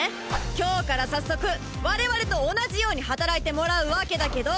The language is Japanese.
今日から早速我々と同じように働いてもらうわけだけど！